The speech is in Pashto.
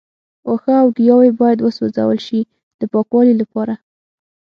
وښه او ګیاوې باید وسوځول شي د پاکوالي لپاره.